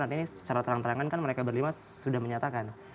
nanti secara terang terangan kan mereka berlima sudah menyatakan